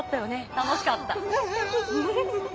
楽しかった。